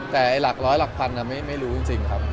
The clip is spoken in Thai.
แต่หลักร้อยหลักพันไม่รู้จริงครับ